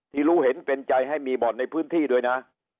รู้เห็นเป็นใจให้มีบ่อนในพื้นที่ด้วยนะ